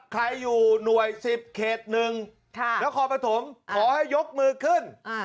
ใครอยู่หน่วย๑๐เขต๑นครปฐมขอให้ยกมือขึ้น